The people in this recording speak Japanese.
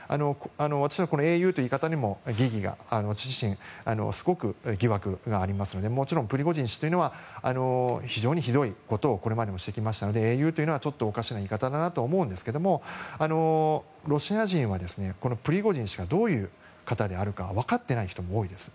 私はこの英雄という言い方にもすごく疑惑がありますのでもちろんプリゴジン氏というのは非常にひどいことをこれまでもしてきましたので英雄というのは、ちょっとおかしな言い方だと思うんですがロシア人はプリゴジン氏がどういう方であるか分かっていない人も多いです。